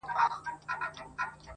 یو سړی وو خدای په ډېر څه نازولی.